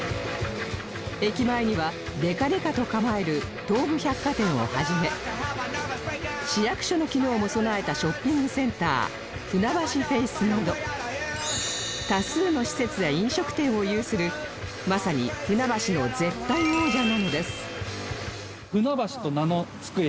駅前にはでかでかと構える東武百貨店を始め市役所の機能も備えたショッピングセンター船橋フェイスなど多数の施設や飲食店を有するまさに船橋の絶対王者なのです